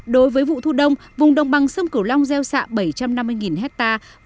đối với vụ thu đông vùng đồng băng sông cửu long gieo xạ bảy trăm năm mươi nghìn hectare